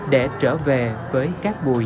để trở về với cát bùi